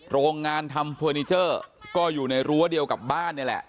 โรงงานทำเฟอร์นิเจอร์ก็อยู่ในรั้วเดียวกับบ้านนี่แหละ